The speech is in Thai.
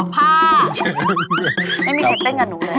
ผ้าไม่มีใครเต้นกับหนูเลย